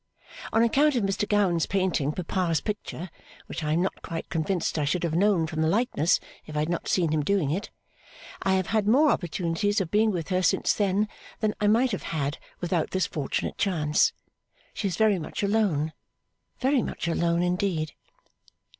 On account of Mr Gowan's painting Papa's picture (which I am not quite convinced I should have known from the likeness if I had not seen him doing it), I have had more opportunities of being with her since then than I might have had without this fortunate chance. She is very much alone. Very much alone indeed.